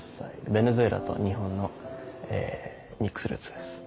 ベネズエラと日本のミックスルーツです。